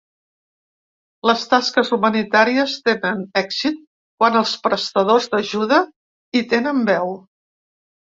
Les tasques humanitàries tenen èxit quan els prestadors d'ajuda hi tenen veu.